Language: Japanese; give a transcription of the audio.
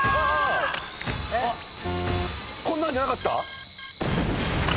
こんなんじゃなかった？